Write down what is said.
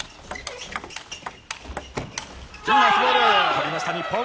とりました、日本！